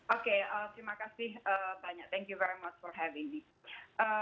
oke terima kasih banyak thank you very much for having me